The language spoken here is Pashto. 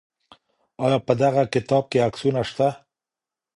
آیا په دغه کتاب کي عکسونه شته؟